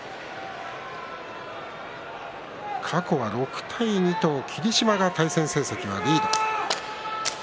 過去は６対２と霧島が対戦成績はリード。